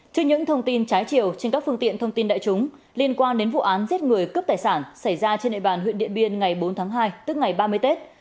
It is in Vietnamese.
trước những thông tin trái chiều trên các phương tiện thông tin đại chúng liên quan đến vụ án giết người cướp tài sản xảy ra trên địa bàn huyện điện biên ngày bốn tháng hai tức ngày ba mươi tết